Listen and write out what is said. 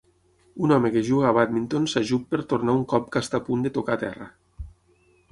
Un home que juga a bàdminton s'ajup per tornar un cop que està a punt de tocar a terra.